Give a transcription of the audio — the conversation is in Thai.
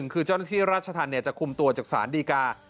คือเจ้าหน้าที่ราชธรรมจะคุมตัวจากศาลดีกา